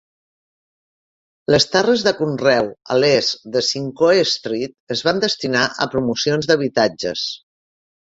Les terres de conreu a l'est de Simcoe Street es van destinar a promocions d'habitatges.